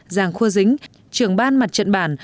giàng khua dính trưởng ban mặt trận bản